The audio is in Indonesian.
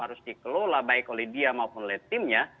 harus dikelola baik oleh dia maupun oleh timnya